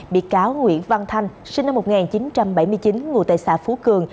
bị cáo nguyễn văn thanh sinh năm một nghìn chín trăm bảy mươi chín ngụ tại xã phú cường